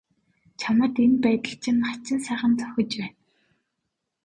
Чамд энэ байдал чинь хачин сайхан зохиж байна.